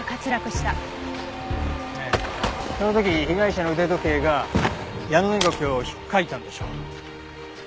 その時被害者の腕時計がヤノネゴケを引っかいたんでしょう。